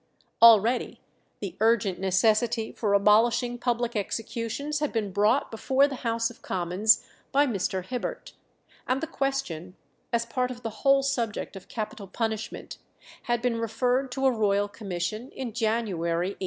Already the urgent necessity for abolishing public executions had been brought before the House of Commons by Mr. Hibbert, and the question, as part of the whole subject of capital punishment, had been referred to a royal commission in January 1864.